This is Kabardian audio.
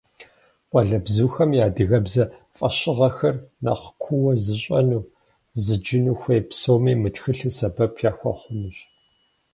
Къуалэбзухэм я адыгэбзэ фӏэщыгъэхэр нэхъ куууэ зыщӏэну, зыджыну хуей псоми мы тхылъыр сэбэп яхуэхъунущ.